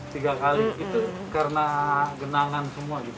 tiga kali itu karena genangan semua gitu